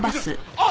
あっ！